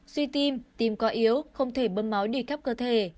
suy tim tim có yếu không thể bơm máu đi khắp cơ thể